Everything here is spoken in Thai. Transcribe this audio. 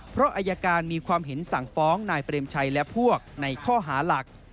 เพราะอายการมีความเห็นสั่งฟ้องนายเปรมชัยและพวกในข้อหาหลัก